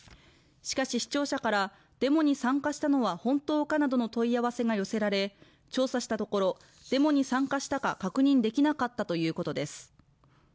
しかし視聴者からデモに参加したのは本当かなどの問い合わせが寄せられ調査したところデモに参加したか確認できなかったということです